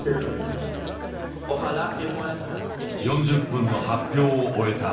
４０分の発表を終えた。